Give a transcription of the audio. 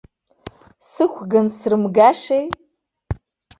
Сықәган срымгашеи.